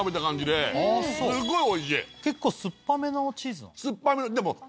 結構酸っぱめのチーズなんだ。